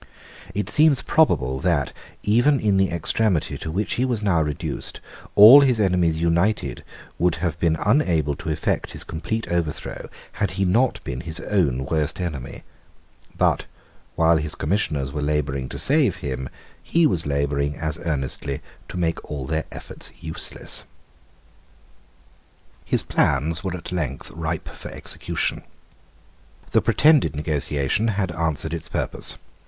It seems probable that, even in the extremity to which he was now reduced, all his enemies united would have been unable to effect his complete overthrow had he not been his own worst enemy: but, while his Commissioners were labouring to save him, he was labouring as earnestly to make all their efforts useless. His plans were at length ripe for execution. The pretended negotiation had answered its purpose.